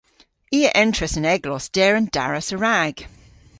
I a entras an eglos der an daras a-rag.